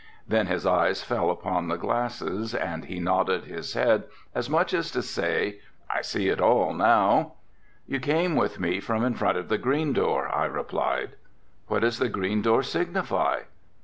Then his eyes fell upon the glasses and he nodded his head as much as to say, "I see it all now." "You came with me from in front of the green door," I replied. "What does the green door signify?"